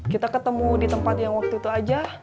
kita ketemu di tempat yang waktu itu aja